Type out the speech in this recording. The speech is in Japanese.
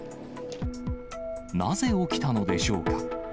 なぜ起きたのでしょうか。